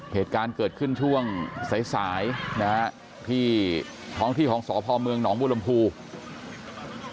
เหตุการณ์เกิดขึ้นช่วงสายที่ท้องที่ของสพเมืองหนบุรมภูษ์